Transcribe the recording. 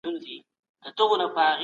پخوا سرمایوي اجناس ډیر کم پیدا کیدل.